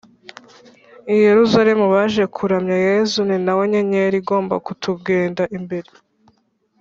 yeruzalemu baje kuramya yezu(ni nawe nyenyeri igomba kutugenda imbere